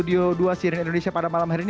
di studio dua siren indonesia pada malam hari ini